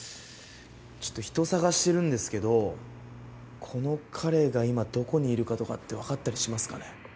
ちょっと人捜してるんですけどこの彼が今どこにいるかとかって分かったりしますかね？